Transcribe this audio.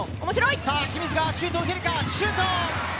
さあ、清水がシュートを打てるか清水、シュート！